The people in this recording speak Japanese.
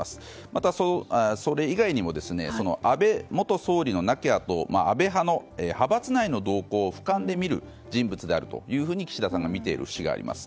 また、それ以外にも安倍元首相の亡き後安倍派の派閥内の動向を俯瞰で見る人物であるというふうに岸田さんが見ている節があります。